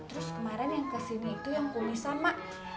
terus kemarin yang kesini itu yang kumisah mak